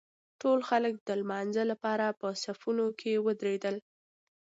ټول خلک د لمانځه لپاره په صفونو کې ودرېدل.